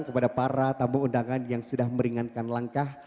kepada para tamu undangan yang sudah meringankan langkah